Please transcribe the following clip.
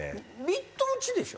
ミット打ちでしょ？